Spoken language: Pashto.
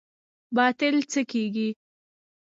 باطل څه کیږي؟